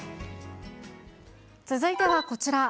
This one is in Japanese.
続いてはこちら。